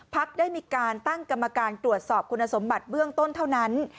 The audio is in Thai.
ได้มีการตั้งกรรมการตรวจสอบคุณสมบัติเบื้องต้นเท่านั้น